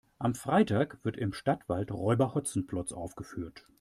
Am Freitag wird im Stadtwald Räuber Hotzenplotz aufgeführt.